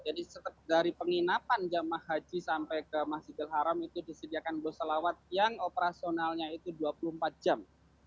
jadi dari penginapan jemaah haji sampai ke masjidil haram itu disediakan busolawat yang operasionalnya itu dua puluh empat jam